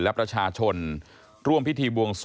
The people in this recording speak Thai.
และประชาชนร่วมพิธีบวงสวง